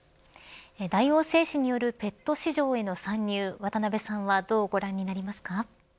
大王製紙によるペット市場への参入渡辺さんはどうご覧になりますか。